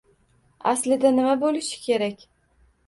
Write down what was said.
Aslida nima boʻlishi kerak